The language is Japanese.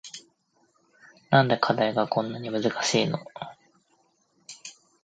なんで課題がこんなに難しいの